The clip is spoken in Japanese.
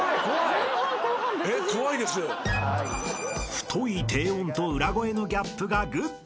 ［太い低音と裏声のギャップがグッド］